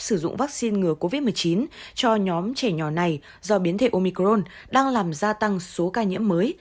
sử dụng vaccine ngừa covid một mươi chín cho nhóm trẻ nhỏ này do biến thể omicron đang làm gia tăng số ca nhiễm mới